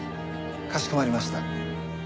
かしこまりました。